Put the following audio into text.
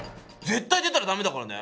絶対出たらダメだからね。